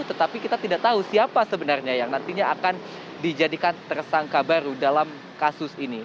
tetapi kita tidak tahu siapa sebenarnya yang nantinya akan dijadikan tersangka baru dalam kasus ini